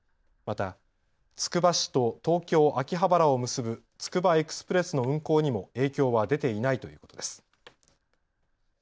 また、つくば市と東京・秋葉原を結ぶつくばエクスプレスの運行にも影響は出ていないということです。